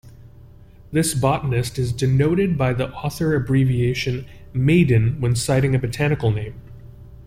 This botanist is denoted by the author abbreviation Maiden when citing a botanical name.